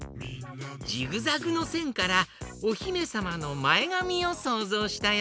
ジグザグのせんからおひめさまのまえがみをそうぞうしたよ。